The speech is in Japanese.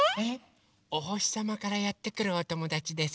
おほしさまからやってくるおともだちです。